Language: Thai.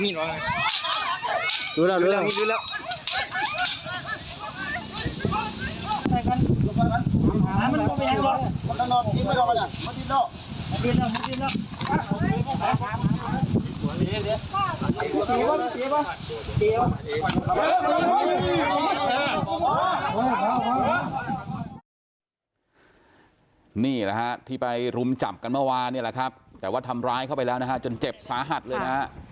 นี่แหละฮะที่ไปรุมจับกันเมื่อวานเนี่ยแหละครับแต่ว่าทำร้ายเข้าไปแล้วนะฮะจนเจ็บสาหัสเลยนะฮะ